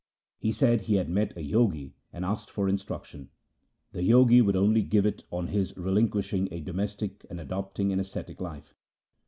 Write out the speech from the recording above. He said he had met a Jogi and asked him for instruction. The Jogi would only give it on his relinquishing a domestic and adopting an ascetic life.